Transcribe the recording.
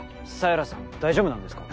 犀原さん大丈夫なんですか？